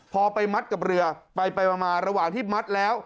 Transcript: พอไปมัดกับเรือไปมาระหว่างที่มัดแล้ว